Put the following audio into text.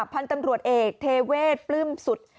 พันธุ์ตำรวจเอกเทเวศปลื้มสุด